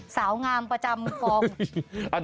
สาวงามประจำฟอร์ม